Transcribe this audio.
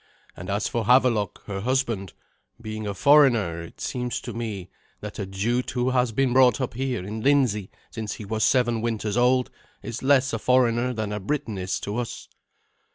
And as for Havelok, her husband, being a foreigner, it seems to me that a Jute who has been brought up here in Lindsey since he was seven winters old is less a foreigner than a Briton is to us."